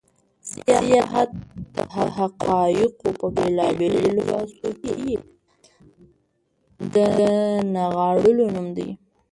سياست د حقايقو په بېلابېلو لباسونو کې د نغاړلو نوم دی.